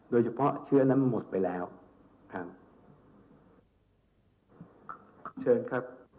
โดยเฉพาะเชื้อนั้นมันหมดไปแล้วครับ